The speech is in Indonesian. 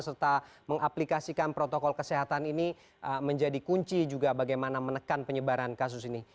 serta mengaplikasikan protokol kesehatan ini menjadi kunci juga bagaimana menekan penyebaran kasus ini